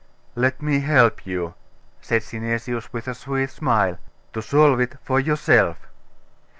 'Let me help you,' said Synesius with a sweet smile, 'to solve it for yourself.